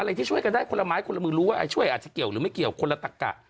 ที่ช่วยกันได้คนละไม้คนละมือรู้ว่าช่วยอาจจะเกี่ยวหรือไม่เกี่ยวคนละตักกะ